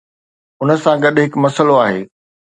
ان سان گڏ هڪ مسئلو آهي.